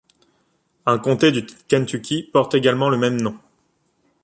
Un comté du Kentucky porte également le même nom.